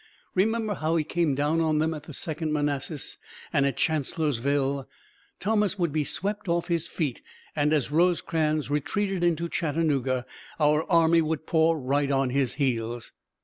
Remember how he came down on them at the Second Manassas and at Chancellorsville! Thomas would be swept off his feet and as Rosecrans retreated into Chattanooga our army would pour right on his heels!"